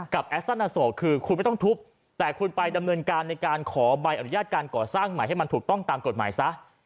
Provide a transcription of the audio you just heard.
แอสตานาโซคือคุณไม่ต้องทุบแต่คุณไปดำเนินการในการขอใบอนุญาตการก่อสร้างใหม่ให้มันถูกต้องตามกฎหมายซะ